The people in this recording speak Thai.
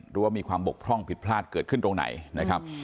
หรือว่ามีความบกพร่องผิดพลาดเกิดขึ้นตรงไหนนะครับ